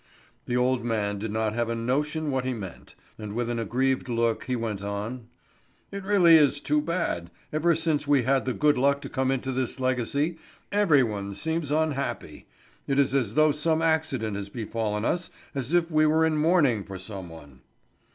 The old man did not have a notion what he meant, and with an aggrieved look he went on: "It really is too bad. Ever since we had the good luck to come into this legacy, every one seems unhappy. It is as though some accident had befallen us, as if we were in mourning for some one."